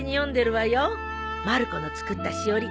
まる子の作ったしおり